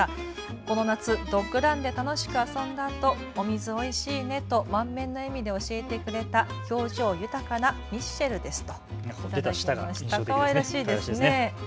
この夏、ドッグランで楽しく遊んだあとお水、おいしいねと満面の笑みで教えてくれた表情豊かなミッシェルですと。